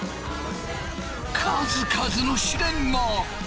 数々の試練が！